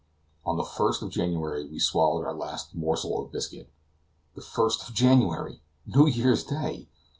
On the 1st of January, we swallowed our last morsel of biscuit. The first of January! New Year's Day!